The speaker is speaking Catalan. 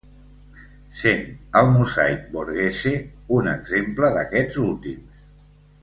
Sent, el mosaic Borghese, un exemple d'aquests últims.